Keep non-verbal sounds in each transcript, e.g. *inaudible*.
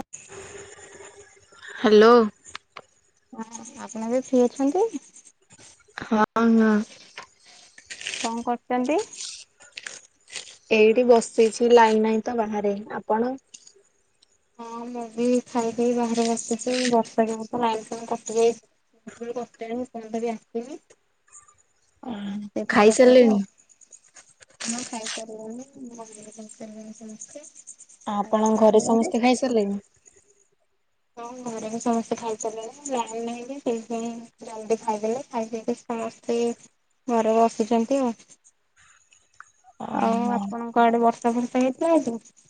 ହ। *inaudible* ହାଲୋ। ହଁ ଆପଣ ବି ଫ୍ରି ଅଛନ୍ତି। ହଁ ନା। କଣ କରୁଛନ୍ତି? ଏଇଠି ବସିଛି ଲାଇନ ନାଇଁ ତ ବାହାରେ। ଆପଣ? ହଁ ମୁଁ ବି ଖାଇପିଇ ବାହାରେ ବସିଚି, ବର୍ଷା ଯୋଗୁ ତ ଲାଇନ୍ ଫାଇନ୍ କଟି ଯାଇଛି। ଏତେବେଲୁ ପଚାରିବୁ କଣ ପାଇ ଆସିନି? ଆଉ ସେଇଥିପାଇଁ ଖାଇ ବସିଛି ଆଉ। ସାରିଲେଣି। *inaudible* ଆ ଆପଣଙ୍କ ଘରେ ସମସ୍ତେ ଖାଇ ସାରିଲେଣି? ହଁ ଘରେ ବି ସମସ୍ତେ ଖାଇଚାରିଲେଣି। ଲାଇନ ନାଇଁ ଯେ ସେଇପାଇଁ ଜଲ୍ଦି ଖାଇଦେଲେ ଖାଇଦେଇକି ସମସ୍ତେ ଘରେ ବସିଛନ୍ତି ଆଉ ଆଉ ଓହୋ। ଆପଣଙ୍କ ଆଡେ ବର୍ଷା ଫର୍ଷା ହେଇଥିଲା କି?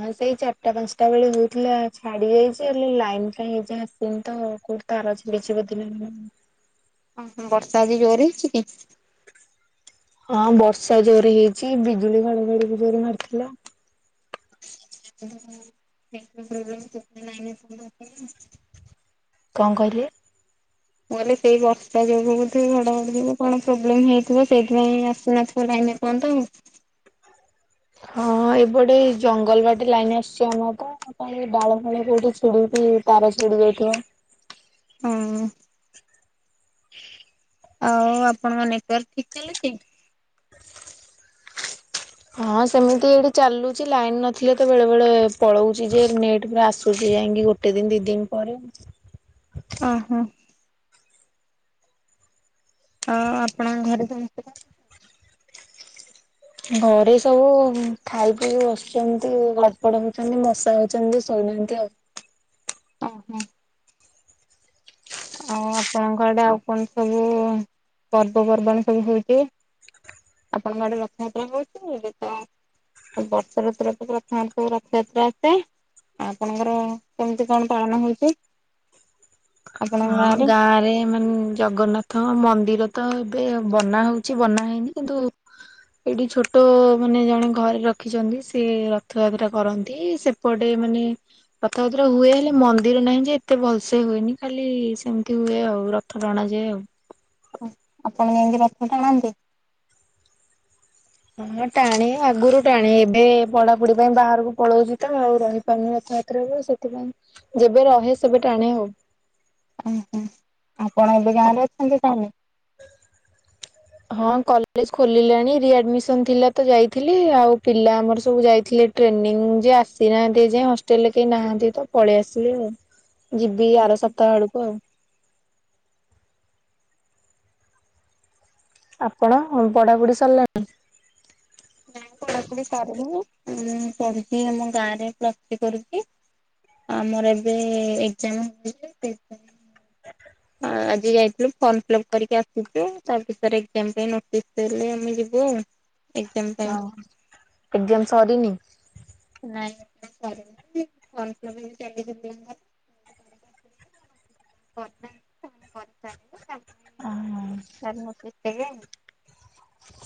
ହଁ ସେଇ ଚାରିଟା ପାଞ୍ଚଟା ବେଳେ ହେଇଥିଲା ଛାଡି ଯାଇଛି, ହେଲେ ଲାଇନ୍ କାଇଁ ଏଯାଏଁ ଆସିନି, ତ କୋଉଠି ତାର ତାର ଛିଣ୍ଡିଛି ବୋଧେ ନା କଣ? ଅ ହଁ ବର୍ଷା ଆଜି ଜୋରରେ ହେଇଚି କି? ହଁ ବର୍ଷା ଜୋରେ ହେଇଛି। ବିଜୁଳି ଘଡଘଡି ବି ଜୋର ମାରିଥିଲା। *inaudible* କଣ କହିଲେ? ମୁଁ କହିଲି ସେଇ ବର୍ଷା ଯୋଗୁ ବୋଧେ ଘଡଘଡି କି କଣ ପ୍ରୋବ୍ଲେମ ହେଇଥିବ, ସେଇଥିପାଇଁ ଆସୁନଥିବ ଲାଇ ଏନେ କୁହନ୍ତୁ? ହଁ ଏ ବଟେ ଜଙ୍ଗଲ ବାଟେ ଲାଇନ ଆସିଛି ଆମର ତ। କାଳେ ଡାଳଫାଳ କୋଉଠି ଛିଡି କି ତାର ଛିଡି ଯାଇଥିବ। ହୁଁ ଉଁ। ହଁ। *inaudible* ସାର୍ ଠିକ ଚାଲିଛି? ହଁ ସେମିତି ଏଠି ଚାଲୁଚି, ଲାଇନ ନଥିଲେ ତ ବେଳେ ବେଳେ ପଳଉଚି ଯେ ନେଟ ପୁରା ଆସୁଚି ଯାଇକି ଗୋଟେ ଦିନ ଦି ଦିନ ପରେ ଓ ହୋ। ହଁ ଆପଣଙ୍କ ଘରେ ସମସ୍ତେ କଣ *inaudible* ଘରେ ସବୁ ଖାଇ ପିଇକି ବସିଛନ୍ତି। ଗଡପଡ ହଉଛନ୍ତି ମଶା ହଉଛନ୍ତି। ଏମତି ଆଉ। ଓ ହୋ। ଆଉ ଆପଣଙ୍କ ଆଡେ ଆଉ କଣ ସବୁ ପର୍ବପର୍ବାଣୀ ସବୁ ହଉଛି? ଆପଣଙ୍କ ଆଡ଼େ ରଥଯାତ୍ରା ହଉଛି? ଏ ତ ବର୍ଷା ଋତୁର ରେ ପ୍ରଥମ ସବୁ ରଥଯାତ୍ରା ଆସେ। ଆଉ ଆପଣଙ୍କର କେମିତି କଣ ପାଳନ ହଉଛି? ଆପଣଙ୍କ ହଁ, ଗାଁରେ? ଗାଁ ରେ ମାନେ ଜଗନ୍ନାଥ। ହଁ ମନ୍ଦିର ତ ଏବେ ବନା ହଉଛି ବନା ହେଇନି କିନ୍ତୁ ଏଠି ଛୋଟ ମାନେ ଜଣେ ଘରେ ରଖିଛନ୍ତି ସେ ରଥଯାତ୍ରା କରନ୍ତି। ସେପଟେ ମାନେ ରଥଯାତ୍ରା ହୁଏ ହେଲେ ମନ୍ଦିର ନାହିଁ ଯେ ଏତେ ଭଲସେ ହୁଏନି ଖାଲି ଖାଲି ସେମିତି ହୁଏ ଆଉ, ରଥ ଟଣାଯାଏ ଆଉ। ଆପଣ ଯାଇକି ରଥ ଟାଣନ୍ତି? ହଁ ମୁଁ ଟାଣେ ଆଗରୁ ଟାଣେ, ଏବେ ପଢାପଢି ପାଇଁ ବାହାରକୁ ପଳଉଛି ତ ମୁଁ ଆଉ ରହିପାରୁନି ଏ ରଥଯାତ୍ରାକୁ ସେଥିପାଇଁ ଯେବେ ରହେ, ସେବେ ଟାଣେ ଆଉ। ଓହୋ ଆପଣ ଏବେ ଗାଁରେ ଅଛନ୍ତି ତାହଲେ? *inaudible* ହଁ କଲେଜ ଖୋଲିଲାଣି ରି ଆଡମିସନ ଥିଲା ତ ଯାଇଥିଲି। ଆଉ ପିଲା ଆମର ସବୁ ଯାଇଥିଲେ ଟ୍ରେନିଂ ଯେ ଆସିନାହାନ୍ତି ଯାଇ ହଷ୍ଟେଲରେ କେହି ନାହାନ୍ତି ତ ପଳେଇ ଆସିଲି ଆଉ। ଯିବି ଆର ସପ୍ତାହ ଆଡକୁ ଆଉ। ଆପଣ ବଢ଼ାବୁଢ଼ୀ ସରିଲାଣି? ନାଇଁ ପଢାପଢି ସରିନି ମୁଁ ପଢୁଛି ଆମ ଗାଁରେ ପ୍ଲସଥ୍ରୀ କରୁଛି। ଆମର ଏବେ ଏକ୍ଜାମ *unintelligible* ଆ ଆଜି ଯାଇଥିଲୁ ଫର୍ମ ଫିଲ୍ଅପ୍ କରିକି ଆସିଛୁ ତା ଭିତରେ କ୍ୟାମ୍ପନ ନୋଟିସ୍ ଦେଲେ ଆମେ ଯିବୁ ଆଉ। ଏକ୍ଜାମ ପାଇଁ ହ ଏକ୍ଜାମ ସରି ନି? ନାଇଁ ଏକ୍ଜାମ ସରିନି। ଫୋରମ୍ ଫିଲପ ଚାଲିଛି *inaudible* *inaudible* ତାର ନୋଟିସ *unintelligible*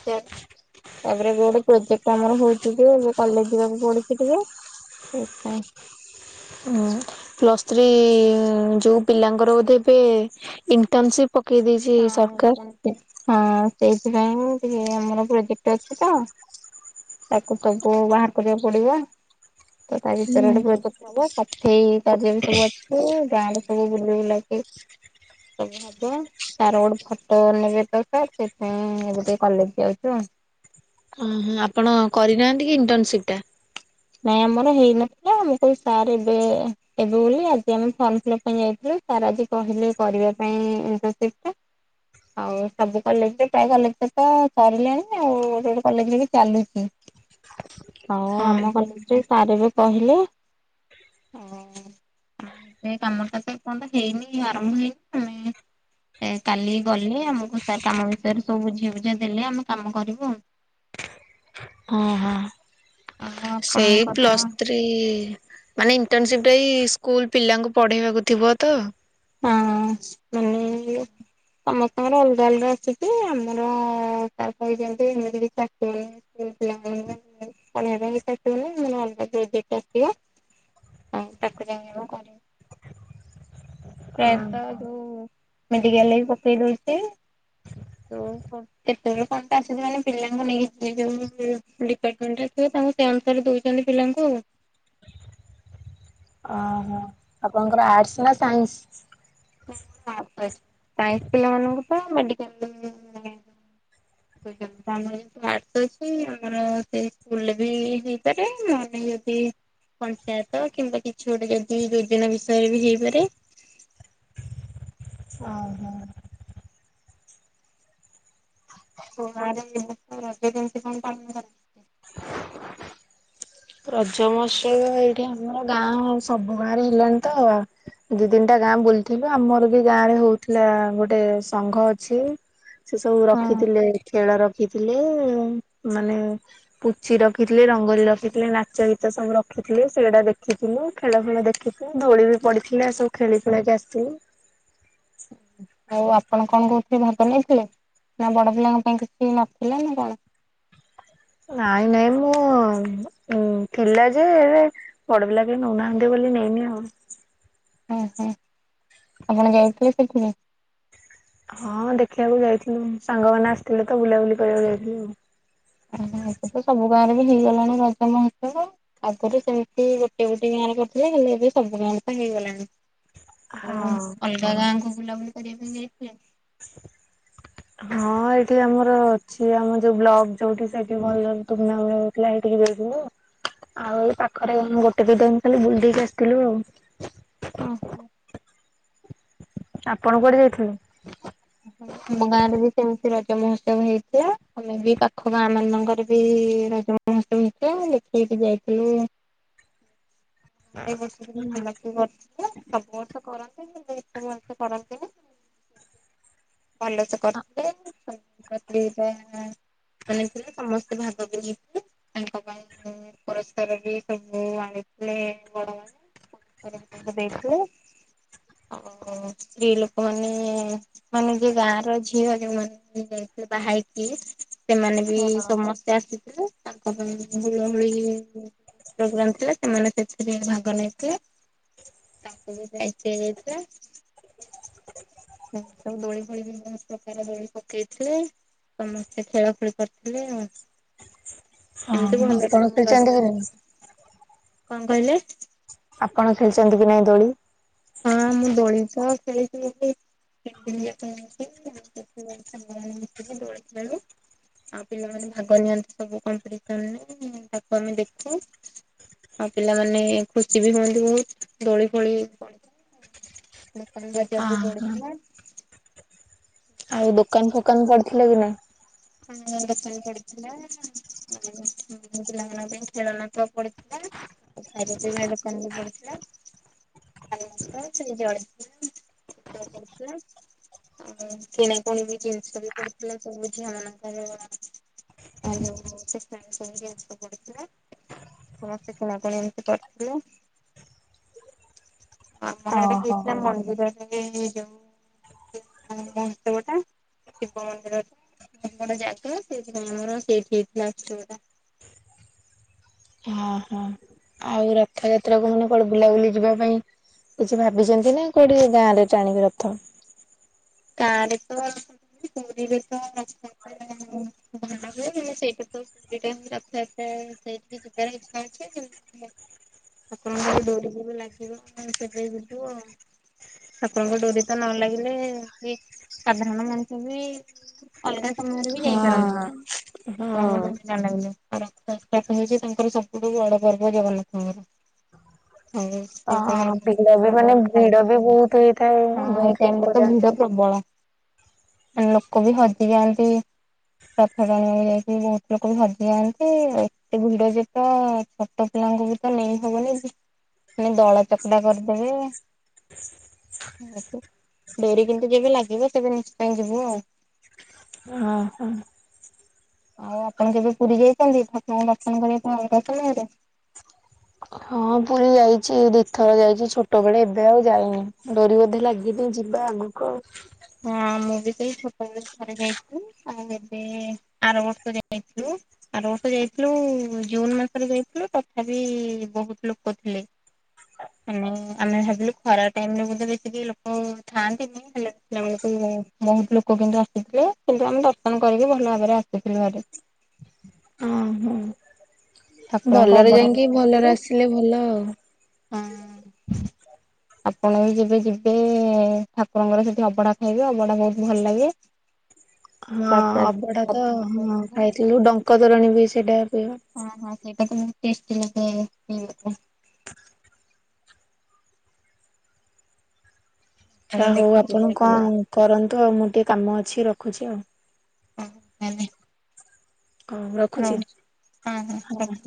ତାପରେ ଏବେ ଗୋଟେ ପ୍ରୋଜେକ୍ଟ ଆମର ହଉଛି ଯେ ଏ କଲେଜ ଯିବାକୁ ପଡୁଛି ଟିକେ। *unintelligible* ଓ ପ୍ଲସ୍ ଥ୍ରୀ ଯୋଉ ପିଲାଙ୍କର ବୋଧେ ଏବେ ଇଣ୍ଟର୍ନସିପ୍ ପକେଇ ଦେଇେଇଛି ହଁ ସରକାର ଇଣ୍ଟର୍ନସିପ୍। ହଁ ସେଇଥିପାଇଁ ଟିକେ ଆମର ପ୍ରୋଜେକ୍ଟ ଅଛି ତ ତାକୁ ସବୁ ବାହାର କରିବାକୁ ପଡିବ। ତ ତା ଭିତରେ ହୁଁ ଗୋଟେ ପ୍ରୋଜେକଟ ହବ। ସଫେଇ କାର୍ଯ୍ୟ ବି ସବୁ ଅଛି ଗାଁରେ ସବୁ ବୁଲି ବୁଲାକି ସବୁ ହବ। ତାର ଗୋଟେ ଫଟୋ ନେବେ ତ ସାର୍ ସେଥିପାଇଁ ଏବେ ଟିକେ କଲେଜ ଯାଉଛୁ ଆଉ। ଓହୋ ଆପଣ କରିନାହାନ୍ତି କି ଇଣ୍ଟର୍ନସିପ ଟା? ନାଇଁ ଆମର ହେଇନଥିଲା। ମୁଁ କହିଲି ସାର୍ ଏବେ ଏବେ ବୋଲି ଆଜି ଆମେ ଫର୍ମ ଫିଲପ୍ ପାଇଁ ଯାଇଥିଲୁ। ସାର ଆଜି କହିଲେ କରିବା ପାଇଁ ଇଣ୍ଟର୍ନସିପ ଟା। ଆଉ ସବୁ କଲେଜରେ ପ୍ରାୟ କଲେଜ ତ ସରିଲାଣି ଆଉ ଗୋଟେ ଗୋଟେ କଲେଜରେ ବି ଚାଲୁଛି। ଆଉ ଆମ ହଁ। କଲେଜ ରେ ସାର୍ ବି କହିଲେ ଆଉ ଏ କାମ ଟା ଏପର୍ଯ୍ୟନ୍ତ ହେଇନି ଆରମ୍ଭ ହେଇନି। କାଲି ଗଲେ ଆମକୁ ସାର୍ କାମ ବିଷୟରେ ସବୁ ବୁଝି ବୁଝି ଦେଲେ ଆମେ କାମ କରିବୁ ଆଉ। *inaudible* ଓହୋ। ଆଉ ସେଇ ଆପଣଙ୍କର ହଁ ପ୍ଲୁସଥ୍ରୀ ମାନେ ଇଣ୍ଟରସିପ ଟ ସ୍କୁଲ ପିଲାଙ୍କୁ ପଢେଇବାକୁ ଥିବ ତ ହଁ ମାନେ *inaudible* ଆମର ଅଲଗା ଅଲଗା ଆସେ ଯେ ଆମର ସାର୍ କହିଛନ୍ତି ଏମିତି *inaudible* *inaudible* ଆସିବ ନହଲେ ଅଲଗା ପ୍ରୋଜେକଟ ଆସିବ। ହଁ ତାକୁ *unintelligible* ପ୍ରାୟତଃ ଆ ମେଣ୍ଟିକଲେ ବି ପକେଇଦୋଉଚି ଏତେବେଳେ କଣ ତ ଆସିଥିବ ମାନେ ପିଲାଙ୍କୁ ନେଇକି ଯୋଉ ଡିପାର୍ଟମେଣ୍ଟିବ ତା ସେ ଅନୁସାରେ କହୁଚନ୍ତି ପିଲାଙ୍କୁ ଆ ଓହୋ ଆପଣଙ୍କର ଆର୍ଟସ୍ ନା ସାଇନ୍ସ? ମୋର ଅର୍ଟସ୍ ଅଛି ସାଇନ୍ସ୍ ପିଲାମାନଙ୍କୁ ତ ମେଡିିକାଲ ଆମର ଯେହେତୁ ଆର୍ଟସ୍ ଅଛି ଆମର ସେ ସ୍କୁଲ ବି ହେଇପାରେ ମାନେ ପଞ୍ଚାୟତ କିମ୍ବା କିଛି ଗୋଟେ ଯଦି ଯୋଜନା ବିଷୟରେ ବି ହେଇପାରେ। ଓହୋ। ଗାଁରେ ଏ ବର୍ଷ ରଜ କେମିତି କଣ ପାଳନ *unintelligible* ରଜ ମହୋତ୍ସବ ଏଇଠି ଆମର ଗାଁ ସବୁ ଗାଁରେ ହେଲାଣି ତ। ଦିଇ ତିନିଟା ଗାଁ ବୁଲିଥିବ ଆମର ବି ଗାଁ ରେ ହୋଉଥିଲା ଗୋଟେ ସଂଘ ଅଛି। ସେ ସବୁ ହଁ ରଖିଥିଲେ ଖେଳ ରଖିଥିଲେ ମାନେ ପୁଚି ରଖିଥିଲେ। *unintelligible* ଥିଲେ ନାଚ ଗୀତ ସବୁ ରଖିଥିଲେ ସେଇଡ଼ା ଦେଖିଥିଲୁ ଖେଳ ଖେଳ ଦେଖିଥିଲୁ ଧୋଳି ବି ପଡିଥିଲେ ସବ ଖେଳ *unintelligible* ଆସିଥିଲୁ। ହୁଁ ଆଉ ଆପଣ କଣ କହୁଥିଲେ ଭାଗ ନେଇଥିଲେ, ନା ବଡ ପିଲାଙ୍କ ପାଇଁ କିଛି ନଥିଲା ନା କଣ? ନାଇଁ ନାଇଁ ମୁଁ ଥିଲା ଯେ ବଡ ପିଲା କେ ନଉନାହାନ୍ତି ବୋଲି *unintelligible* ହ ହୁଁ ଆପଣ ଯାଇଥିଲେ ସେଥିରେ? ହଁ ଦେଖିବାକୁ ଯାଇଥିଲୁ, ସାଙ୍ଗମାନେ ଆସିଥିଲେ ତ ବୁଲାବୁଲି କରିବାକୁ ଯାଇଥିଲୁ ଆଉ। ଓ ଏ ତ ସବୁ *unintelligible* ହେଇଗଲାଣି ରଜ ମହୋତ୍ସବ, ଆଗରୁ ସେମିତି ଗୋଟେ ଗୋଟଏ ଗାଁ ରେ କରୁଥିଲେ ହେଲେ ଏବେ ସବୁ ଗାଁରେ ହେଇଗଲାଣି, ଆଉ ହଁ ଅଲଗା ଗାଁ କୁ ବୁଲାବୁଲି କରିବା ପାଇଁ ଯାଇଥିଲେ? ହଁ ଏଇଠି ଆମର ଅଛି ଆମର ଯୋଉ ବ୍ଲକ ଯୋଉଠି ସେଠି ଭଲ ତୁମ ଭଳିଆ ହୋଉଥିଲା ଏ *unintelligible* ଥିଲୁ ଆଉ ଏଇ ପାଖରେ ଗୋଟେ ଗୋଟେ ଦିଇ ଟା ଖାଲି ବୁଲେଇକି ଆସିଥିଲୁ ଆଉ। ଆମ ଆପଣ କୁଆଡେ ଯାଇଥିଲେ? *unintelligible* ବି ସେମିତି ରଜ ମହୋତ୍ସବ ହେଇଥିଲା, ଆମେ ବି ପାଖ ଗାଁ ମାନଙ୍କରେ ବି ରଜ ମହୋତ୍ସବ ହେଇଥିଲା। ଦେଖି *unintelligible* ଯାଇଥିଲୁ। ହ ଏ ବର୍ଷ ଭଲ କି କର *unintelligible* ସବୁ ବର୍ଷ କରନ୍ତି? ଏତେ *unintelligible* ଭଲ ସେ କରିଥିଲେ *unintelligible* ଭାଗ ବିଇ *unintelligible* ତାଙ୍କ ପାଇଁ ପୁରସ୍କାର ବି ସବୁ ଆଣିଥିଲେ ବଡ ମାନେ ତା ଦେଇଥିଲେ ଆଉ ସ୍ତ୍ରୀ ଲୋକମାନେ ମାନେ ଯିଏ ଗାଁ ର ଝିଅ ଯୋଉ ମାନେ *unintelligible* ବାହା ହୋଇଥିଲେ। ସେମାନେ ବି ହଁ ସମସ୍ତେ ଆସିଥିଲେ ତାଙ୍କ ବି ହୁଳହୁଳି ପ୍ରୋଗ୍ରାମ ଥିଲେ ସେମାନେ ସେଥିରେ ଭାଗ ନେଇଥିଲେ। ତାକୁ ବି ଯାଇ ଦାୟିତ୍ୱ ଦିଆଯାଇଥିଲା। ସମସ୍ତ *unintelligible* ପ୍ରକାର ଦୋଳି ପକେଇଥିଲେ ସମସ୍ତେ ଖେଳ ଖେଳି ପାରିଥିଲେ ଆଉ। ଏମିତି ଭଲ ଆପଣ ଖେଳିଛନ୍ତି କି ନାଇଁ *unintelligible* କଣ କହିଲେ? ଆପଣ ଖେଳିଚନ୍ତି କି ନାଇଁ ଦୋଳି? ହଁ ମୁଁ ଦୋଳି ତ ଖେଳି କେ *unintelligible* ଦୋଳି ଖେଳୁ। ଆଉ ପିଲାମାନେ ଭାଗ ନିଅନ୍ତି ସବୁ କପିସନରେ ତାକୁ ଆମେ ଦେଖୁ ଆଉ ପିଲାମାନେ ଖୁସି ବି ହୁଅନ୍ତିବହୁତ, ଦୋଳି ଫୋଳି ପ ଦୋକାନ ବଜାର ବି ପଡିଥିଲା। ଆଉ ଦୋକାନ ଫୋକାନ ପଡିଥିଲା କି ନାଇଁ? *unintelligible* ପଡିଥିଲା ପିଲାଙ୍କ ପାଇଁ ଖେଳନା ପଡିଥିଲା ଖାଇବା ପିଇବା ଦୋକାନ ବି ପଡିଥିଲା। *unintelligible* ଆଉ କିଣାକଣି ବି ଜିନିଷ ବି ପଡିଥିଲା ସବୁଝିଅ ମାନ ଆଉଯଉ *unintelligible* ପଡିଥିଲା। ସମସ୍ତେ କିଣାକୁଣି ଏମିତି କରିଥିଲେ। ଆମର ଏଟେ ଓହୋ। ହେଥିଲା ମନ୍ଦିରଟ ଯଉ *unintelligible* *unintelligible* ହଁ ହଁ ଆଉ ରଥ ଯାତ୍ରା କୁ ମାନେ କୁଆଡେ ବୁଲାବୁଲି ଯିବା ପାଇଁ କିଛି ଭାବିଛନ୍ତି ନା, କୋଉଠି ଗାଁରେ ଟାଣିବେ ରଥ? ଗାଁରେ କଣ? ପୁରୀରେ ତ *unintelligible* ଟନା ହୁଏ ସେଇଟା ତ ପୁରୀ ଟା ହିଁ ରଥଯାତ୍ରା ସେଇଠି ଯିବାର ଇଛା ଅଛି ଠାକୁରଙ୍କର ଡୋରି ଯେବେ ଲାଗିବ, ସେବେ ଯିବୁ ଆଉ। ଆପଣଙ୍କ ଡୋରି ତ ନ ଲାଗିଲେ ସେ ସାଧାରଣ ମଣିଷ ବି, ଅଲଗା ସମୟରେ ବି ଯାଇପାରନ୍ତିନି। ହଁ। ଠାକୁରଙ୍କଠୁ ହଁ ଡୋରି ନ ଲାଗିଲା ର ହଉଛି ତାଙ୍କର ସବୁଠୁ ବଡ ପର୍ବ ଜଗନ୍ନାଥଙ୍କର ହଉ ଅ *unintelligible* ଭିଡ ବି ମାନେ ଭିଡ ବି ବହୁତ ହେଇଥାଏ ହଁ, ଏଇ ବହୁତ ଟାଇମ ଲୋକ ତ ଭିଡ ଯାଆନ୍ତି। ପ୍ରବଳ ଲୋକ ବି ହଜିଯାଆନ୍ତି। ରଥ ଟାଣିବାକୁ ଯାଇକି ବହୁତ ଲୋକ ବି ହଜିଯାଆନ୍ତି ଏତେ ଭିଡ ଯେତ ଛୋଟ ପି ତାଙ୍କୁ ବି ତ ନେଇ ହବନି ମାନେ ଦଳା ଚକଟା କରିଦେବେ। ଡୋରି କେ ଯେବେ ଲାଗିବ ସେବେ ନିଶ୍ଚୟ ଯିବୁ ଆଉ ଓହୋ ଆଉ ଆପଣ କେବେ ପୁରୀ ଯାଇଛନ୍ତି? ଠାକୁରଙ୍କୁ ଦର୍ଶନ କରିବା ପାଇଁ ରଥ ସମୟରେ? ହଁ, ପୁରୀ ଯାଇଛି ଦି ଥର ଯାଇଛି ଛୋଟ ବେଳେ, ଏବେ ଆଉ ଯାଇନି, ଡୋରି ବୋଧେ ଲାଗିନି ଯି ଯିବା ଆଗକୁ ହଁ ଅ ହଁ, ମୁଁ ବି ସେଇ ଛୋଟବେଳେ ଥରେ ଯାଇଥିଲି ଆଉ ଏବେ ଆର ବର୍ଷ ଯାଇଥିଲୁ ଆର ବର୍ଷ ଯାଇଥିଲୁ, ଜୁନ ମାସରେ ଯାଇଥିଲୁ ତଥାପି ବହୁତ ଲୋକ ଥିଲେ। ମାନେ ଆମେ ଭାବିଲୁ ଖରା ଟାଇମରେ ବୋଧେ ବେଶି କେହି ଲୋକ ଥାଆନ୍ତିନି ହେଲେ ବହୁତ ଲୋକ କିନ୍ତୁ ଆସିଥିଲେ କିନ୍ତୁ ଆମେ ଦର୍ଶନ କରିକି ଭଲ ଭାବରେ ଆସିଥିଲୁ *inaudible* ଓହୋ ଠାକୁରଙ୍କ ଅବଢ଼ା ଭଲରେ *unintelligible* ହଁ ଆସିଲେ ଭଲ ଆଉ। ଅ ଆପଣ ବି ଯେବେ ଯିବେ? ଯିବେ ଠାକୁରଙ୍କର ସେଠି ଅବଢା ଖାଇବେ, ଅବଢା ବହୁତ ଭଲ ଲାଗେ। ହଁ, ଅବଢ଼ା ତ ହଁ, ଖାଇଥିଲୁ ଡଙ୍କ ତରଣୀ ବି ସେଇଟା ପିଉ। ହଁ, ହଁ ସେଇଟା ତ ଟେଷ୍ଟି ଲାଗେ ପିଇବାକୁ। ଆଛା ହଁ ହଉ, ଦେଖିଛି ଆପଣ ହଁ ହଁ କଣ କରନ୍ତୁ ଆଉ ମୁଁ ଟିକେ କାମ ଅଛି ରଖୁଛି ଆଉ। ଓ ଭଲ। ହଁ, ରଖୁଛି। ରହୁଚି। ହଁ